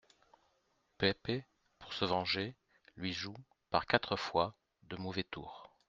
Peppe, pour se venger, lui joue, par quatre fois, de mauvais tours.